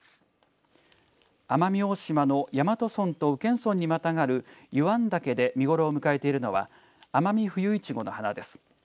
奄美大島の大和村と宇検村にまたがる湯湾岳で見頃を迎えているのはアマミフユイチゴの花です。